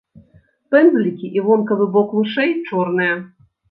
Пэндзлікі і вонкавы бок вушэй чорныя.